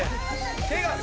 手が」